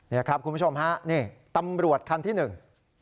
นี่ครับคุณผู้ชมฮะนี่ตำรวจคันที่หนึ่ง